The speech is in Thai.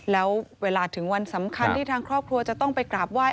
แล้วเวลาถึงวันสำคัญที่ทางครอบครัวจะต้องไปกราบไหว้